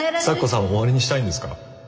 咲子さんは終わりにしたいんですか？